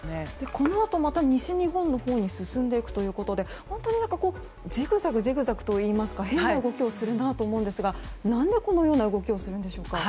このあと西日本のほうに進んでいくということで本島にじぐざぐといいますか変な動きをするなと思いますが何でこのような動きをするんでしょうか。